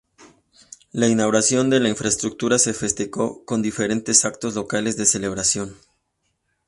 La inauguración de la infraestructura se festejó con diferentes actos locales de celebración.